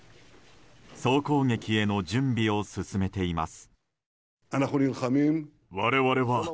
総攻撃への準備を進めています。